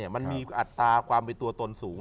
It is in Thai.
มันมีอัตราความเป็นตัวตนสูง